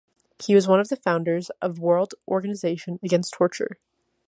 He was one of the founders of World Organization Against Torture.